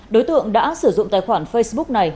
đối tượng đã sử dụng tài khoản facebook này